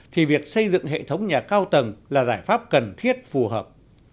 thì việc xây dựng hệ thống nhà cao tầng là giải pháp cần thiết phù hợp